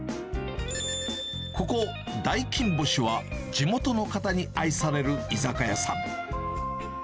ここ、大金星は、地元の方に愛される居酒屋さん。